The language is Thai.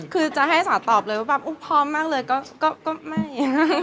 คือจะให้สาวตอบเลยว่าแบบพร้อมมากเลยก็ไม่